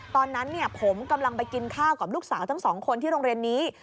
ตอนนั้นผมกำลังไปกินข้าวกับลูกสาวทั้งสองคนที่โรงเรียนนี้